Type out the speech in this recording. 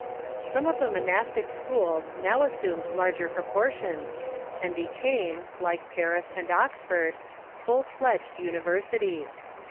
Some of the monastic schools now assumed larger propor tions, and became, like Paris and Oxford, full fledged univer sities.